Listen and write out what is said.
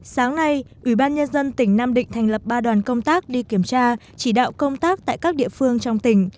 sáng nay ủy ban nhân dân tỉnh nam định thành lập ba đoàn công tác đi kiểm tra chỉ đạo công tác tại các địa phương trong tỉnh